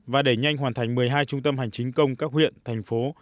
và đẩy nhanh hoàn thành một mươi hai trung tâm hành chính công các huyện thành phố